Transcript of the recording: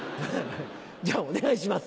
じゃあお願いします